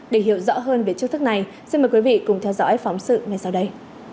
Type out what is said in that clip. để hiểu rõ hơn về chiêu thức này xin mời quý vị cùng theo dõi phóng sự ngay sau đây